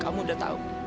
kamu udah tahu